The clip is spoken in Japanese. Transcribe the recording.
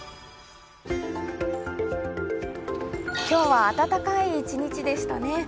今日は暖かい一日でしたね。